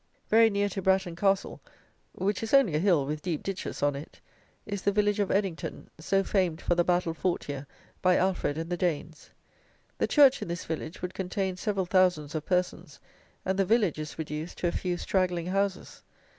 Very near to Bratton Castle (which is only a hill with deep ditches on it) is the village of Eddington, so famed for the battle fought here by Alfred and the Danes. The church in this village would contain several thousands of persons; and the village is reduced to a few straggling houses.